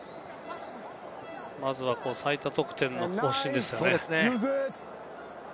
まずは最多得点の更新ですね。